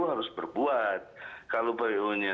harus berbuat kalau po nya